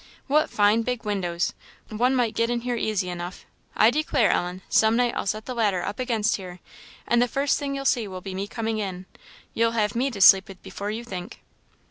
"What fine big windows! one might get in here easy enough. I declare, Ellen, some night I'll set the ladder up against here, and the first thing you'll see will be me coming in. You'll have me to sleep with you before you think."